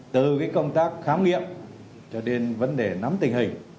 từ cái công tác khám nghiệp cho đến vấn đề nắm tình hình